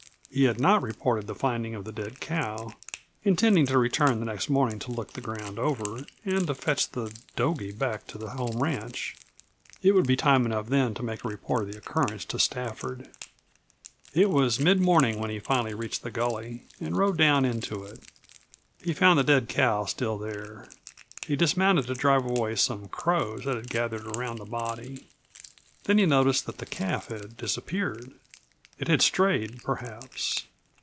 He had not reported the finding of the dead cow, intending to return the next morning to look the ground over and to fetch the "dogie" back to the home ranch. It would be time enough then to make a report of the occurrence to Stafford. It was mid morning when he finally reached the gully and rode down into it. He found the dead cow still there. He dismounted to drive away some crows that had gathered around the body. Then he noticed that the calf had disappeared. It had strayed, perhaps.